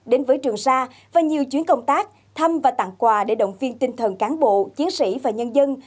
đến với trường sa và nhiều chuyến công tác thăm và tặng quà để động viên tinh thần cán bộ chiến sĩ và nhân dân